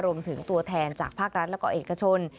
รวมถึงตัวแทนจากภาครัฐแล้วก็เอกชน